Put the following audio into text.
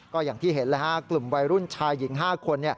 ก็อย่างที่เห็นกลุ่มวัยรุ่นชายหญิง๕คน